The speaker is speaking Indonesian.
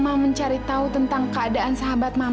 saya akan mencari tahu tentang keadaan sahabat mama